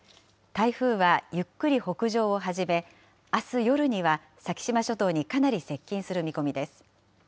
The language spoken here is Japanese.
台風はゆっくり北上を始め、あす夜には先島諸島にかなり接近する見込みです。